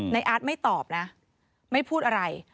อาร์ตไม่ตอบนะไม่พูดอะไร